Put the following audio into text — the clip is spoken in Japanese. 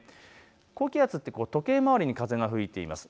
高気圧は時計回りに風が吹いています。